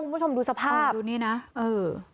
คุณผู้ชมดูสภาพดูนี่นะเออ